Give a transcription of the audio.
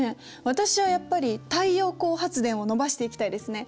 私はやっぱり太陽光発電を伸ばしていきたいですね。